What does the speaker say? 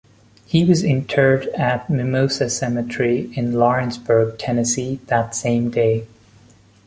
He was interred at Mimosa Cemetery in Lawrenceburg, Tennessee, that same day.